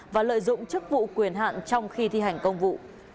và lợi dụng chức vụ quyền hạn trong khi thi hành công vụ